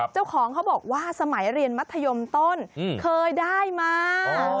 เจ้าของเขาบอกว่าสมัยเรียนมัธยมต้นเคยได้มา